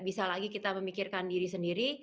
bisa lagi kita memikirkan diri sendiri